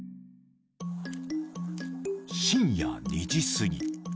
［深夜２時すぎ］